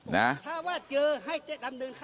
ถ้าว่าเจอให้ดำเนินคดีเลย